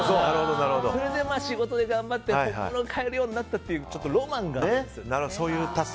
それで、仕事で頑張って買えるようになったというちょっとロマンがあるんですよ。